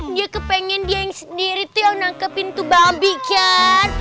dia kepengen dia sendiri tuh yang nangkepin tuh babi kan